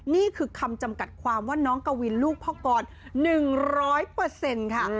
นี่คือคำจำกัดความว่าน้องกะวินลูกพ่อกรหนึ่งร้อยเปอร์เซ็นต์ค่ะ